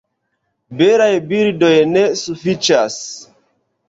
Belaj bildoj ne sufiĉas!